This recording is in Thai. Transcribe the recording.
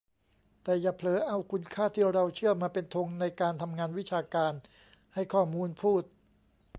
แต่อย่าเผลอเอาคุณค่าที่เราเชื่อมาเป็นธงในการทำงานวิชาการ ให้ข้อมูลพูด